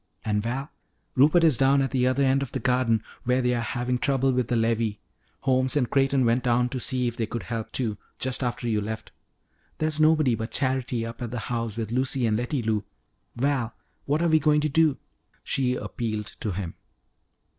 And, Val, Rupert is down at the other end of the garden where they are having trouble with the levee. Holmes and Creighton went down to see if they could help, too, just after you left. There's nobody but Charity up at the house with Lucy and Letty Lou. Val, what are we going to do?" she appealed to him.